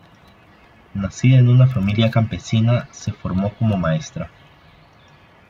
Nacida en una familia campesina, se formó como maestra.